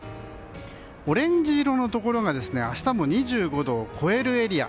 オレンジ色のところが明日も２５度を超えるエリア。